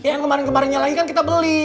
yang kemarin kemarinnya lagi kan kita beli